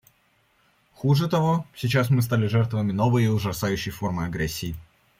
Хуже того — сейчас мы стали жертвами новой и ужасающей формы агрессии.